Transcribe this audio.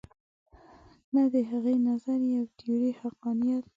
نه د هغې نظریې او تیورۍ حقانیت.